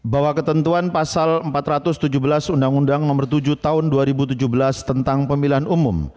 bahwa ketentuan pasal empat ratus tujuh belas undang undang nomor tujuh tahun dua ribu tujuh belas tentang pemilihan umum